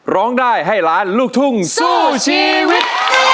ร้องได้ให้ล้านลูกทุ่งสู้ชีวิต